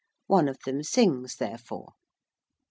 One of them sings therefore.